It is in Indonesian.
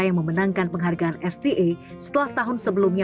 yang memenangkan penghargaan sda setelah tahun sebelumnya